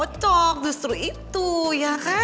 cocok justru itu ya kan